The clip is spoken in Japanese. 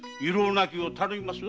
なきよう頼みますぞ。